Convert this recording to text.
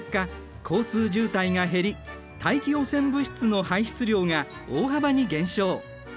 交通渋滞が減り大気汚染物質の排出量が大幅に減少。